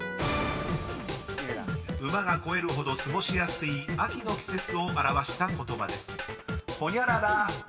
［馬が肥えるほど過ごしやすい秋の季節を表した言葉です］